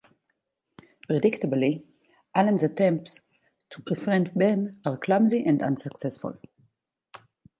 Predictably, Alan's attempts to befriend Ben are clumsy and unsuccessful.